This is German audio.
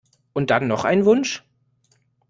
Und dann noch einen Wunsch?